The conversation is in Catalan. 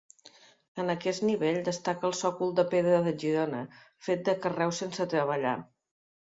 En aquest nivell destaca el sòcol de pedra de Girona fet de carreus sense treballar.